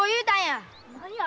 何や？